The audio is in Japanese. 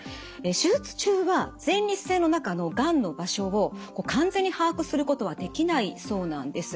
手術中は前立腺の中のがんの場所を完全に把握することはできないそうなんです。